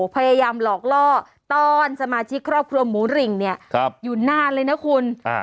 พยายามหลอกล่อต้อนสมาชิกครอบครัวหมูหริงเนี่ยอยู่นานเลยนะคุณ